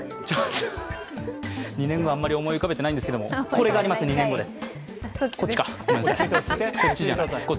２年後、あまり思い浮かべていないんですけど、これがあります、２年後です。